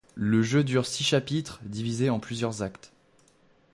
Le jeu dure six chapitres, divisés en plusieurs actes.